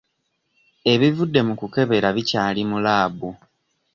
Ebivudde mu kukebera bikyali mu laabu.